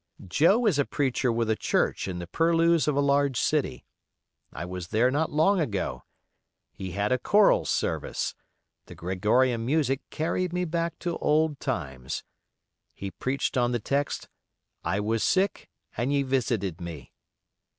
Joe is a preacher with a church in the purlieus of a large city. I was there not long ago. He had a choral service. The Gregorian music carried me back to old times. He preached on the text, "I was sick, and ye visited me."